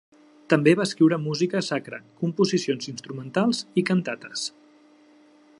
També va escriure música sacra, composicions instrumentals i cantates.